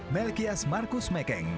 melkias markus mekeng